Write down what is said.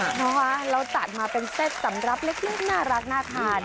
เพราะว่าเราจัดมาเป็นเซ็ตสำหรับเล็กน่ารักน่าทาน